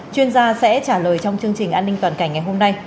chuyên gia sẽ trả lời trong chương trình an ninh toàn cảnh ngày hôm nay